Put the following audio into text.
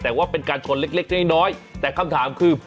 แต่ว่าเป็นการชนเล็กน้อยแต่คำถามคือ